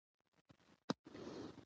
د کیسې معنا نړیوال ارزښت لري.